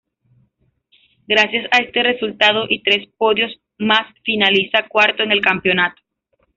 Gracias a este resultado y tres podios más finaliza cuarto en el campeonato.